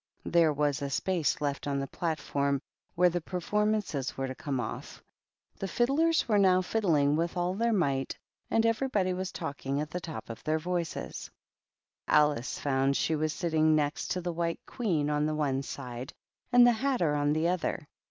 There was a space left on the platform where the performances were to come off*. The fiddlers were now fiddling with all their might, and every body was talking at the top of their voices. THE GREAT OCCASION. Alice found slie was sitting nest to the Wh: Queen on the one side and the Hatter on t other.